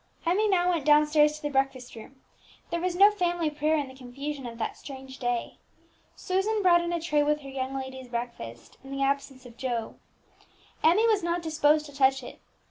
Emmie now went down stairs to the breakfast room; there was no family prayer in the confusion of that strange day. Susan brought in a tray with her young lady's breakfast, in the absence of Joe. Emmie was not disposed to touch it.